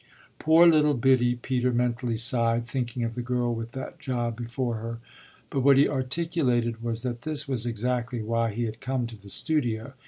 "Poor little Biddy!" Peter mentally sighed, thinking of the girl with that job before her; but what he articulated was that this was exactly why he had come to the studio.